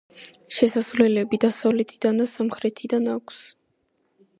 შესასვლელები დასავლეთიდან და სამხრეთიდან აქვს.